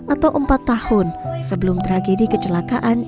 atau empat tahun sebelum tragedi kecelakaan